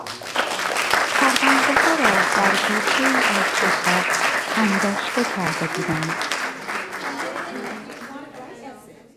پروندهها را در گوشهای از اتاق انباشته کرده بودند.